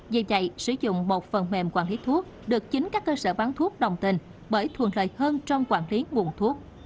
vì vậy sử dụng một phần mềm quản lý thuốc được chính các cơ sở bán thuốc đồng tình bởi thuần lợi hơn trong quản lý nguồn thuốc